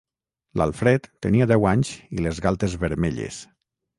L'Alfred tenia deu anys i les galtes vermelles.